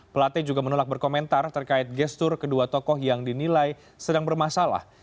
pelate juga menolak berkomentar terkait gestur kedua tokoh yang dinilai sedang bermasalah